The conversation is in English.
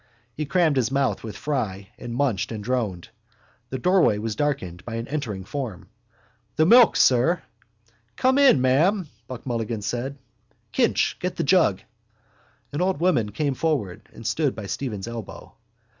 _ He crammed his mouth with fry and munched and droned. The doorway was darkened by an entering form. —The milk, sir! —Come in, ma'am, Mulligan said. Kinch, get the jug. An old woman came forward and stood by Stephen's elbow.